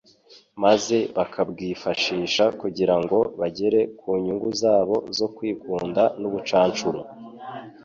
maze bakabwifashisha kugira ngo bagere ku nyungu zabo zo kwikunda n'ubucanshuro.